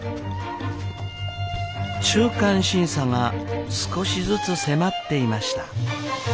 中間審査が少しずつ迫っていました。